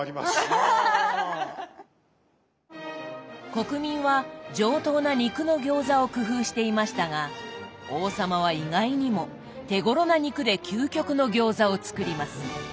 国民は上等な肉の餃子を工夫していましたが王様は意外にも手ごろな肉で究極の餃子を作ります。